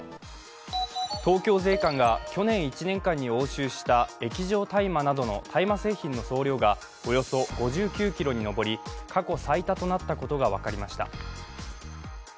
東京税関が去年１年間に押収した液状大麻などの大麻製品の総量がおよそ５９ｋｇにのぼり過去最多となったことが分かりました。